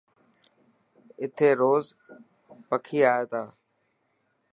اٿي روز پکي آئي تا.